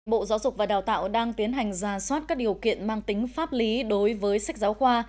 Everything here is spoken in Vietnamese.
bộ giáo dục và đào tạo đang tiến hành ra soát các điều kiện mang tính pháp lý đối với sách giáo khoa